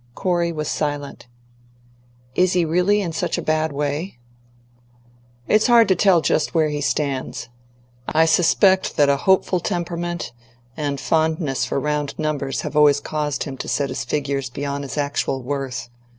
Corey was silent. "Is he really in such a bad way?" "It's hard to tell just where he stands. I suspect that a hopeful temperament and fondness for round numbers have always caused him to set his figures beyond his actual worth.